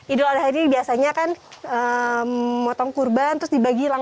idul adha ini biasanya kan motong kurban terus dibagi